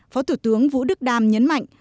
phó thủ tướng vũ đức đam nhấn mạnh